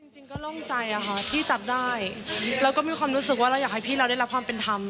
จริงก็โล่งใจอะค่ะที่จับได้แล้วก็มีความรู้สึกว่าเราอยากให้พี่เราได้รับความเป็นธรรม